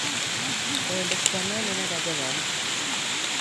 Oho ndokufwanane na w'aja w'amu.